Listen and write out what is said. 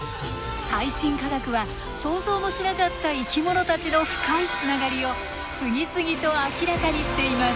最新科学は想像もしなかった生き物たちの深いつながりを次々と明らかにしています。